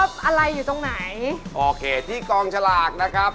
ตำแหน่งไหนครับ๒กับ๔